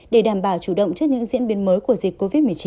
để đảm bảo chủ động trước những diễn biến mới của dịch covid một mươi chín